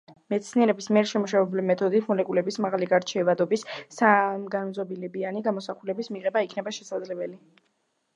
მეცნიერების მიერ შემუშავებული მეთოდით, მოლეკულების მაღალი გარჩევადობის, სამგანზომილებიანი გამოსახულების მიღება იქნება შესაძლებელი.